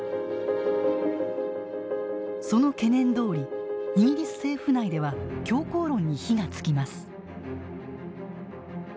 その懸念どおりイギリス政府内では強硬論に火がつきます。